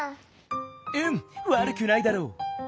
うんわるくないだろう。